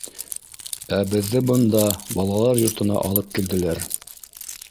Ә беҙҙе бында, балалар йортона, алып килделәр.